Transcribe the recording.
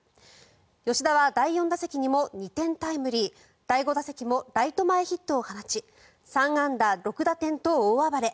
吉田は第４打席にも２点タイムリー第５打席もライト前ヒットを放ち３安打６打点と大暴れ。